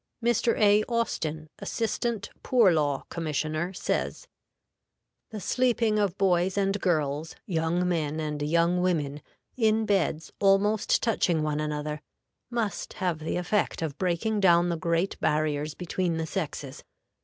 _" Mr. A. Austin, Assistant Poor Law Commissioner, says: "The sleeping of boys and girls, young men and young women, in beds almost touching one another, must have the effect of breaking down the great barriers between the sexes.